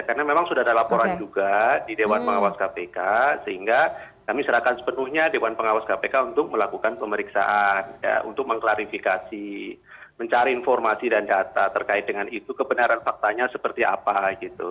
karena memang sudah ada laporan juga di dewan pengawas kpk sehingga kami serahkan sepenuhnya dewan pengawas kpk untuk melakukan pemeriksaan ya untuk mengklarifikasi mencari informasi dan data terkait dengan itu kebenaran faktanya seperti apa gitu